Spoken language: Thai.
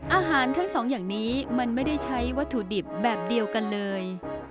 อาหารทั้งสองอย่างนี้มันไม่ได้ใช้วัตถุดิบแบบเดียวกันเลย